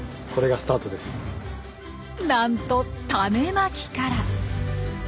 なんとタネまきから。